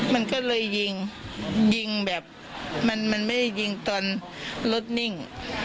มันก็เลยยิงยิงแบบมันไม่ได้ยิงตอนรถนิ่ง